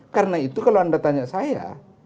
karena itu kalau anda tanya saya